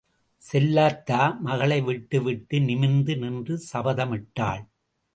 செல்லாத்தா மகளை விட்டு விட்டு நிமிர்ந்து நின்று சபதமிட்டாள்.